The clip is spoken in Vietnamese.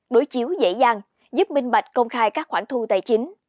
đối chiếu dễ dàng giúp minh bạch công khai các khoản thu tài chính